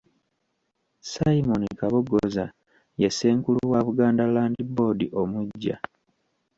Simon Kabogoza ye ssenkulu wa Buganda Land Board omuggya.